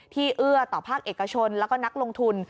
เอื้อต่อภาคเอกชนแล้วก็นักลงทุน